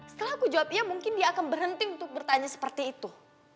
setelah aku jawabnya mungkin dia akan berhenti untuk bertanya seperti itu